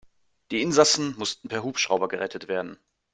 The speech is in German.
Die Insassen mussten per Hubschrauber gerettet werden.